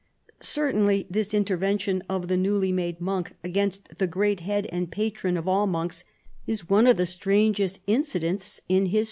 Certainly this intervention of the newly made monk against thegi'eat Head and Patron of all monks, is one of the strangest incidents in his 96 CHARLEMAGNE.